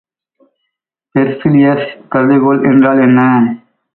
Berzelius கருதுகோள் என்றால் என்ன?